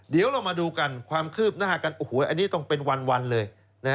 เดี๋ยวเรามาดูกันความคืบหน้ากันโอ้โหอันนี้ต้องเป็นวันเลย